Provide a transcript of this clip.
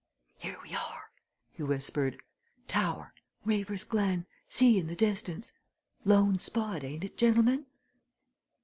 "Here we are!" he whispered. "Tower Reaver's Glen sea in the distance. Lone spot, ain't it, gentlemen?"